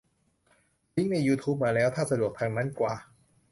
ลิงก์ในยูทูบมาแล้ว ถ้าสะดวกทางนั้นกว่า